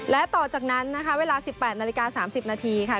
และต่อจากนั้นนะคะเวลา๑๘นาฬิกา๓๐นาทีค่ะ